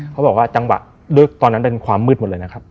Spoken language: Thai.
เขาบอกว่าจังหวะด้วยตอนนั้นเป็นความมืดหมดเลยนะครับ